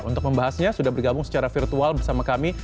untuk membahasnya sudah bergabung secara virtual bersama kami